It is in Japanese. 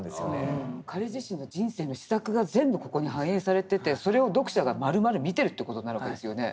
彼自身の人生の思索が全部ここに反映されててそれを読者がまるまる見てるという事になるわけですよね。